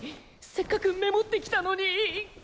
せっかくメモってきたのに。